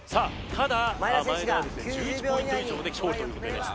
ただ真栄田は１１ポイント以上で勝利ということになります